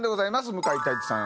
向井太一さん